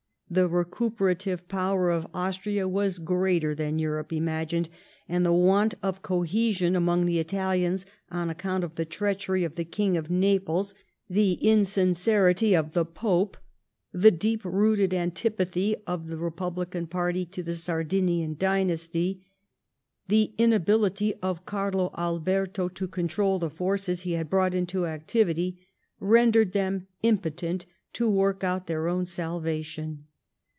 The recuperative power of Austria was greater than Europe imagined ; and the want of cohesion among the Italians, on account of the treachery of the King of Naples, the insincerity of the Pope, the deep rooted antipathy of the republican party to the Sardinian dynasty, the inability of Carlo Al berto to control the forces he had brought into activity^ rendered them impotent to work out their own salvation.